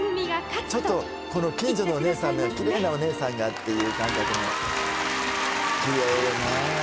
ちょっとこの近所のお姉さんきれいなお姉さんがって感覚のきれいよね